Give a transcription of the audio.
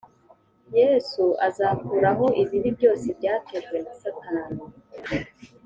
Yesu azakuraho ibibi byose byatejwe na Satani